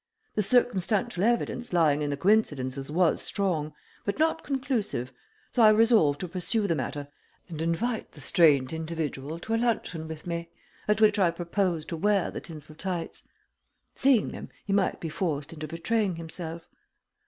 The circumstantial evidence lying in the coincidences was strong but not conclusive, so I resolved to pursue the matter and invite the strange individual to a luncheon with me, at which I proposed to wear the tinsel tights. Seeing them, he might be forced into betraying himself.